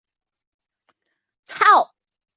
有许多不同的算法可用于平滑。